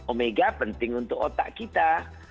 omega penting untuk otak kita